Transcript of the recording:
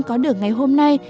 có được ngày hôm nay